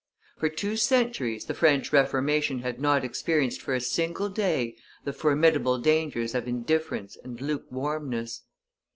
For two centuries the French Reformation had not experienced for a single day the formidable dangers of indifference and lukewarmness.